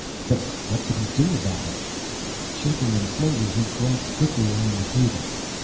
But what could he do about it? Shaking them slowly he glanced quickly around the table.